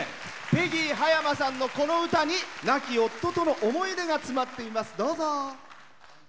ペギー葉山さんのこの歌に亡き夫との思い出が詰まっています。